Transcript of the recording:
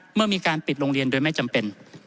เมื่อมีการปิดโรงเรียนโดยไม่จำเป็น